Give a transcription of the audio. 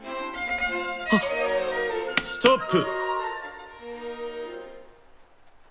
あっストップ。